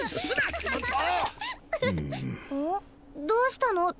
どうしたの？